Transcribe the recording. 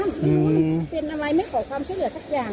หนูเป็นอะไรไม่ขอความช่วยเหลือสักอย่าง